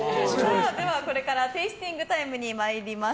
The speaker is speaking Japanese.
では、これからテイスティングタイムに参ります。